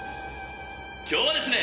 今日はですね。